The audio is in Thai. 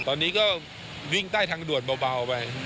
ตอนนี้ก็วิ่งใต้ทางด่วนเบาไป